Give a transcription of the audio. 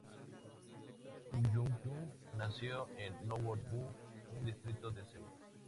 Kyuhyun nació en Nowon-gu, un distrito de Seúl.